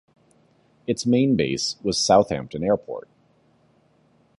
Its main base was Southampton Airport.